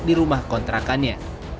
di rumah kontrakannya